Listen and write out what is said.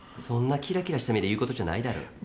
そんなきらきらした目で言うことじゃないだろ。